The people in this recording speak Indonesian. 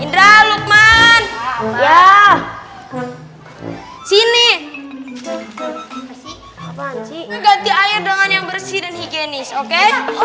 indra lukman ya sini apaan sih ganti air dengan yang bersih dan higienis oke